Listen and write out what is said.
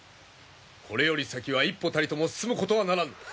これより先は一歩たりとも進むことはならぬ。